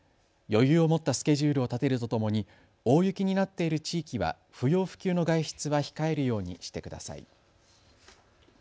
余裕を持ったスケジュールを立てるとともに大雪になっている地域は不要不急の外出は控えるようにしてください。